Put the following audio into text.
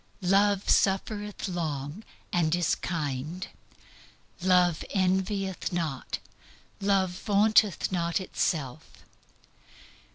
"Love suffereth long, and is kind; love envieth not; love vaunteth not itself."